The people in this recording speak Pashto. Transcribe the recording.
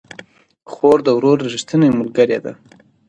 خور د ورور ريښتينې ملګرې ده